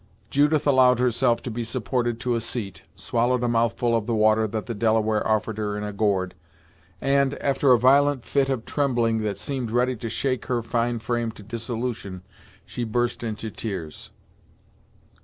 Judith allowed herself to be supported to a seat, swallowed a mouthful of the water that the Delaware offered her in a gourd, and, after a violent fit of trembling that seemed ready to shake her fine frame to dissolution, she burst into tears.